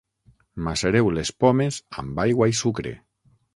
Macereu les pomes amb aigua i sucre.